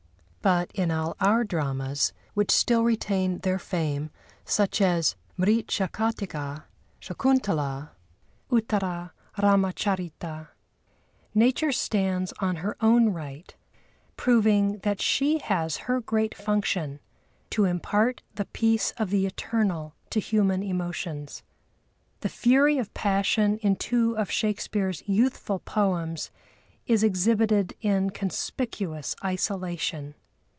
But in all our dramas which still retain their fame, such as Mrit Shakatikâ, Shakuntalâ, Uttara Râmacharita, Nature stands on her own right, proving that she has her great function, to impart the peace of the eternal to human emotions. The fury of passion in two of Shakespeare's youthful poems is exhibited in conspicuous isolation.